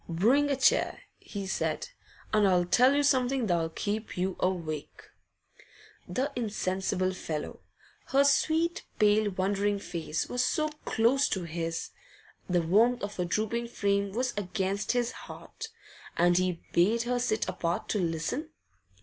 'Bring a chair,' he said, 'and I'll tell you something that'll keep you awake.' The insensible fellow! Her sweet, pale, wondering face was so close to his, the warmth of her drooping frame was against his heart and he bade her sit apart to listen.